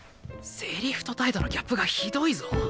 セリフと態度のギャップがひどいぞ。